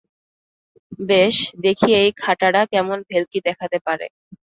বেশ, দেখি এই খাটাড়া কেমন ভেলকি দেখাতে পারে।